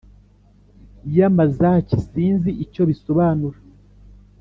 yamazaki sinzi icyo bisobanura